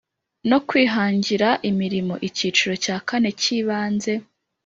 no kwihangira imirimo icyiciro cya kane kibanze